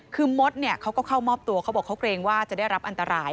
คือมดเขาก็เข้ามอบตัวเขาบอกเขาเกรงว่าจะได้รับอันตราย